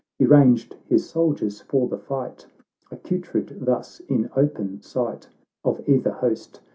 He ranged his soldiers for the fight, Accoutred thus, in open sight Of either host.